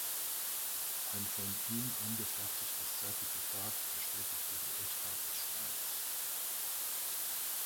Ein von ihm angefertigtes Zertifikat bestätigte die Echtheit des Steins.